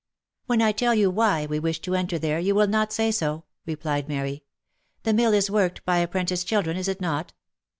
'* When I tell you why we wish to enter there you will not say so," replied Mary. " The mill is worked by apprentice children, is it not?"